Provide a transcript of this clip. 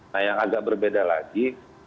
nah yang agak berbeda lagi